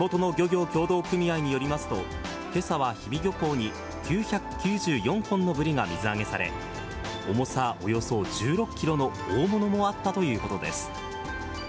地元の漁業協同組合によりますと、けさは氷見漁協に９９４トンのブリが水揚げされ、重さおよそ１６キロの大物もあったということです。